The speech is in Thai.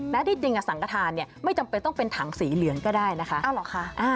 และที่จริงสังกระทานเนี่ยไม่จำเป็นต้องเป็นถังสีเหลืองก็ได้นะคะ